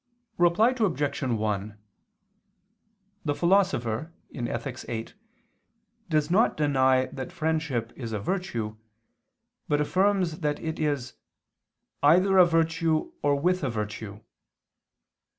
Reply Obj. 1: The Philosopher (Ethic. viii) does not deny that friendship is a virtue, but affirms that it is "either a virtue or with a virtue."